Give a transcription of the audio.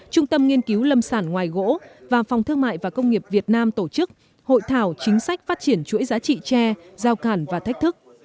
trung tâm nghiên cứu lâm sản ngoài gỗ và phòng thương mại và công nghiệp việt nam tổ chức hội thảo chính sách phát triển chuỗi giá trị tre giao cản và thách thức